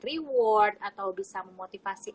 reward atau bisa memotivasi